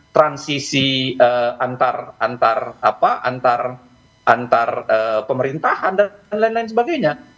transisi antar pemerintahan dan lain lain sebagainya